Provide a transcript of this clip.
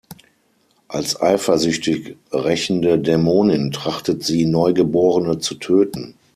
Als eifersüchtig-rächende Dämonin trachtet sie, Neugeborene zu töten.